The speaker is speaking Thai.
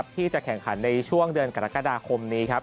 ที่จะแข่งขันในช่วงเดือนกรกฎาคมนี้ครับ